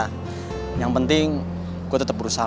yang penting gue tetap berusaha